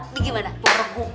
ini gimana berbuk